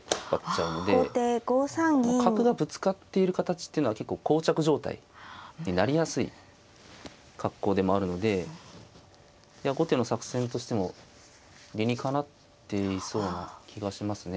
角がぶつかっている形っていうのは結構こう着状態になりやすい格好でもあるので後手の作戦としても理にかなっていそうな気がしますね。